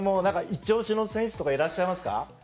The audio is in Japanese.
何かイチオシの選手とかいらっしゃいますか？